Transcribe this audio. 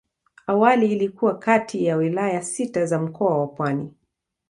Awali ilikuwa kati ya wilaya sita za Mkoa wa Pwani.